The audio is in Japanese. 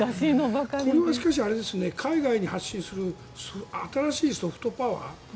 これはしかし、海外に発信する新しいソフトパワー。